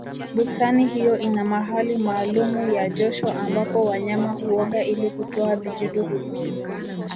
bustani hiyo ina mahali maalumu ya josho ambapo wanyama huoga ili kutoa vijidudu